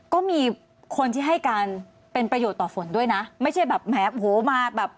ก็มีคนที่ให้การเป็นประโยชน์ต่อฝนด้วยนะไม่ใช่แบบแหมโหมาแบบ